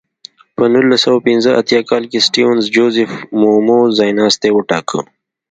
په نولس سوه پنځه اتیا کال کې سټیونز جوزیف مومو ځایناستی وټاکه.